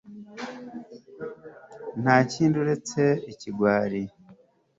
Ntakindi uretse ikigwari